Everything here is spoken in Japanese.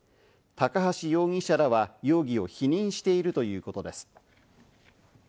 高橋容疑者らは容疑を否認しているということです。